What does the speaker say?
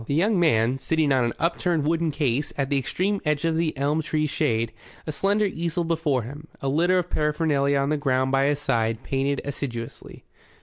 The young man, sitting on an upturned wooden case, at the extreme edge of the elm tree's shade, a slender easel before him, a litter of paraphernalia on the ground by his side, painted assiduously.